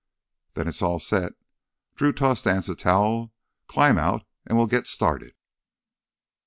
"Then it's all set." Drew tossed Anse a towel. "Climb out and we'll get started!"